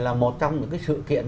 là một trong những cái sự kiện